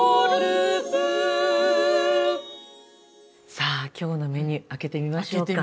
さあ今日のメニュー開けてみましょうか。